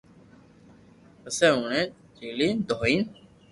پسو اوٺين جيلين دوھين